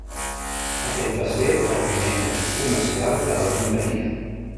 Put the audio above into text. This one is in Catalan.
Aquest va ser el primer èxit comercial per a la companyia.